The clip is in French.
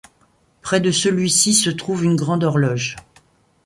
Près de celui-ci, se trouve une grande horloge.